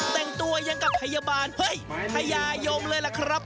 แต่งตัวยังกับพยาบาลเฮ้ยพญายมเลยล่ะครับ